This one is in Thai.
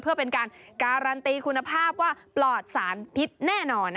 เพื่อเป็นการการันตีคุณภาพว่าปลอดสารพิษแน่นอน